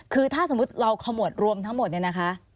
คือถ้าสมมุติเราขมวดรวมทั้งหมดเนี่ยนะคะ